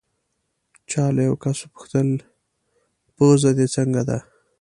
چا له یو کس وپوښتل: پوزه دې څنګه ده؟